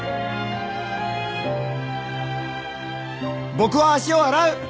僕は足を洗う！